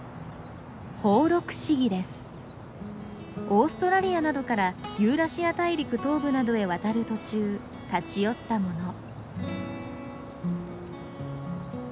オーストラリアなどからユーラシア大陸東部などへ渡る途中立ち寄ったもの。